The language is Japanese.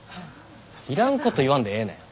いらんこと言わんでええねん。